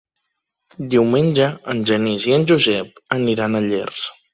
Diumenge en Genís i en Josep aniran a Llers.